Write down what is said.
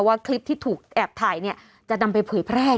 ว่าคลิปที่ถูกแอบถ่ายเนี่ยจะนำไปเผยแพร่